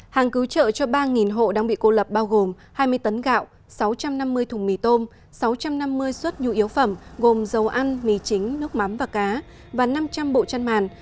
hàng cứu trợ cho ba hộ đang bị cô lập bao gồm hai mươi tấn gạo sáu trăm năm mươi thùng mì tôm sáu trăm năm mươi suất nhu yếu phẩm gồm dầu ăn mì chính nước mắm và cá và năm trăm linh bộ chăn màn